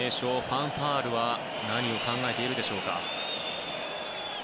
ファンハールは何を考えているでしょうか。